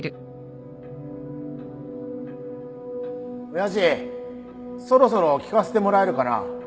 親父そろそろ聞かせてもらえるかな。